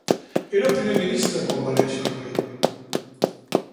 Era el primer ministre quan va néixer el rei.